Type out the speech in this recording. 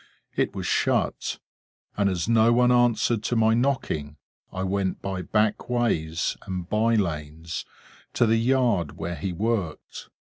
It was shut; and as no one answered to my knocking, I went by back ways and by lanes, to the yard where he worked.